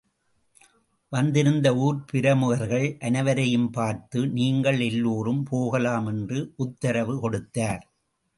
வந்திருந்த ஊர் பிரமுகர்கள் அனைவரையும் பார்த்து நீங்கள் எல்லோரும் போகலாம் என்று உத்தரவு கொடுத்தார்.